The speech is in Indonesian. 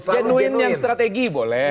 jenuin yang strategi boleh